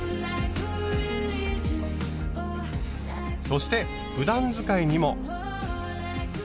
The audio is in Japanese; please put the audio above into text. そしてふだん使いにも。